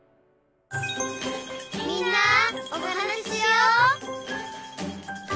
「みんなおはなししよう」